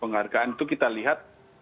penghargaan itu kita lihat